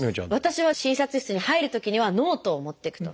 私は診察室に入るときにはノートを持っていくと。